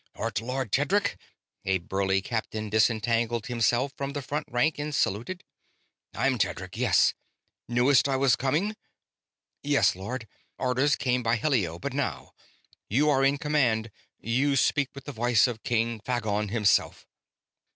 "Art Lord Tedric?" A burly captain disentangled himself from the front rank and saluted. "I'm Tedric, yes. Knewst I was coming?" "Yes, Lord. Orders came by helio but now. You are in command; you speak with the voice of King Phagon himself."